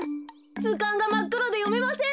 ずかんがまっくろでよめません。